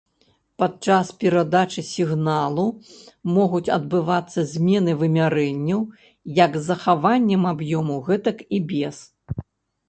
Падчас перадачы сігналу могуць адбывацца змены вымярэнняў як з захаваннем аб'ёму, гэтак і без.